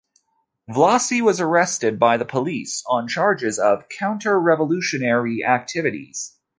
Vllasi was arrested by the police on the charges of "counter-revolutionary activities".